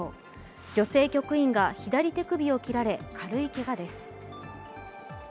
女性局員が左手首を切られ軽いけがです。